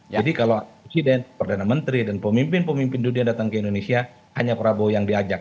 jadi kalau presiden perdana menteri dan pemimpin pemimpin dunia datang ke indonesia hanya prabowo yang diajak